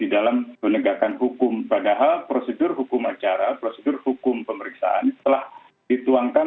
di dalam penegakan hukum padahal prosedur hukum acara prosedur hukum pemeriksaan telah dituangkan